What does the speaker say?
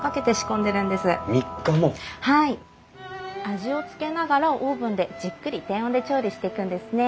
味をつけながらオーブンでじっくり低温で調理していくんですね。